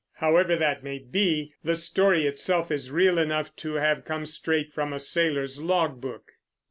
However that may be, the story itself is real enough to have come straight from a sailor's logbook.